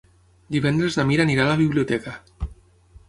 Divendres na Mira anirà a la biblioteca.